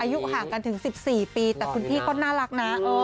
อายุห่างกันถึง๑๔ปีแต่คุณพี่ก็น่ารักนะ